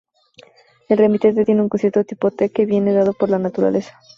El remitente tiene un cierto tipo, t, que viene dado por la naturaleza.